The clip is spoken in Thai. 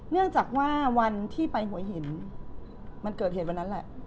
เนื่องจากว่าวันที่ไปหัวหินมันเกิดเหตุวันนั้นแหละ